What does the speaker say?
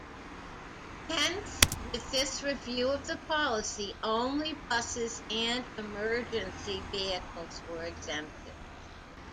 Hence, with this review of the policy, only buses and emergency vehicles were exempted.